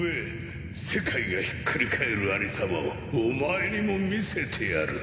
世界がひっくり返る有り様をお前にも見せてやる。